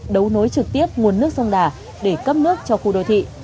đấu nối trực tiếp nguồn nước sông đà để cấp nước cho khu đô thị